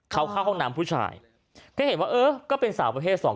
เขาเข้าห้องน้ำผู้ชายก็เห็นว่าเออก็เป็นสาวประเภทสอง